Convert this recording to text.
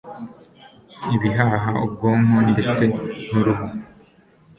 ibihaha, ubwonko ndetse n'uruhu